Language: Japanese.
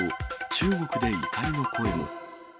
中国で怒りの声も。